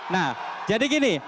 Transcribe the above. nah jadi gini